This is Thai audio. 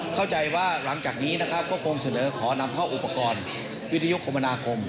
เข้าใจว่าหลังจากนี้นะครับก็คงเสนอขอนำเข้าอุปกรณ์วิทยุคมนาคม